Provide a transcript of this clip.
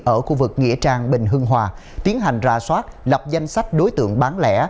ở khu vực nghĩa trang bình hưng hòa tiến hành ra soát lập danh sách đối tượng bán lẻ